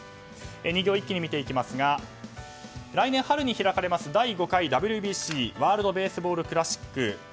２行、一気に見ていきますが来年春に開かれる第５回ＷＢＣ・ワールド・ベースボール・クラシック。